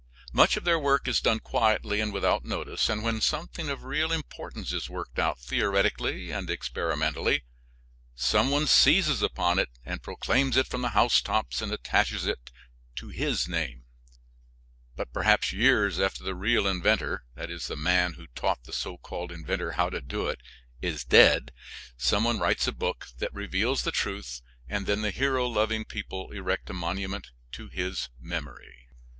Much of their work is done quietly and without notice, and when something of real importance is worked out theoretically and experimentally, some one seizes upon it and proclaims it from the housetops and attaches to it his name; but perhaps years after the real inventor (the man who taught the so called inventor how to do it) is dead, some one writes a book that reveals the truth, and then the hero loving people erect a monument to his memory.